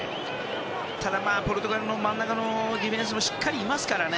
ただ、ポルトガルの真ん中のディフェンスもしっかりいますからね。